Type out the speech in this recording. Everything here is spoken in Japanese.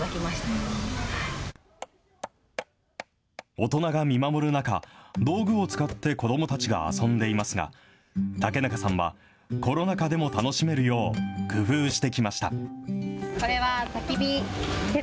大人が見守る中、道具を使って子どもたちが遊んでいますが、竹中さんは、コロナ禍でも楽しめるよう、工夫してきました。